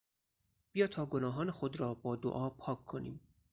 بیا تا گناهان خود را با دعا پاک کنیم.